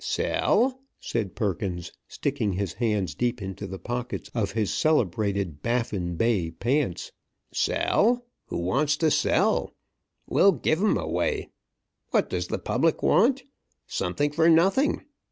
"Sell?" said Perkins, sticking his hands deep into the pockets of his celebrated "Baffin Bay" pants. "Sell? Who wants to sell? We'll give 'em away! What does the public want? Something for nothing!